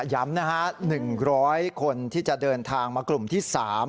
ย้ำนะฮะ๑๐๐คนที่จะเดินทางมากลุ่มที่๓